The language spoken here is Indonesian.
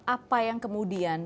apa yang kemudian